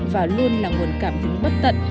và luôn là nguồn cảm bất tận